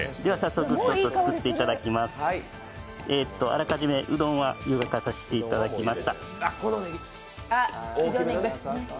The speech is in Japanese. あらかじめうどんはゆでさせていただきました。